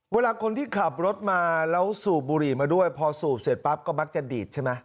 เวลาคนที่ขับรถมาแล้วสูบบุหรี่มาด้วยพอสูบเสร็จปั๊บก็มักจะดีดใช่ไหม